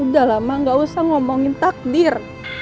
udah lama gak usah ngomongin takdir